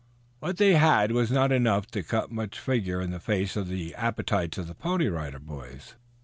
What they had was not enough to cut much figure in the face of the appetites of the Pony Rider Boys.